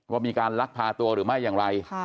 ว่ามีการลักพาตัวหรือไม่อย่างไร